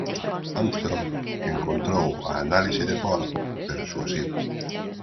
Armstrong encontrou a análise de Ford "persuasiva".